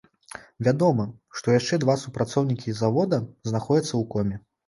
Вядома, што яшчэ два супрацоўнікі завода знаходзяцца ў коме.